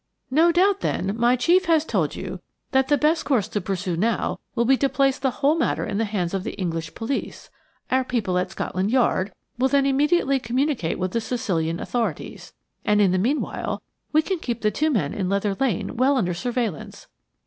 "No doubt, then, my chief has told you that the best course to pursue now will be to place the whole matter in the hands of the English police. Our people at Scotland Yard will then immediately communicate with the Sicilian authorities, and in the meanwhile we can keep the two men in Leather Lane well under surveillance."